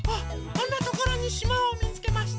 あんなところにしまをみつけました。